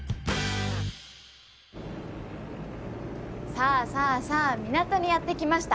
さあさあさあ港にやって来ました。